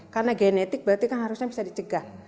karena genetik berarti kan harusnya bisa dicegah